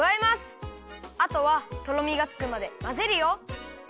あとはとろみがつくまでまぜるよ。